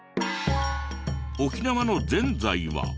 沖縄のぜんざいは。